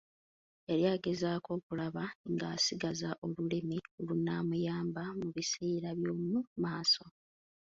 Yali agezaako okulaba nga asigaza olulimi olunaamuyamba mu biseera by'omu maaso.